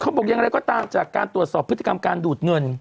บอกอย่างไรก็ตามจากการตรวจสอบพฤติกรรมการดูดเงิน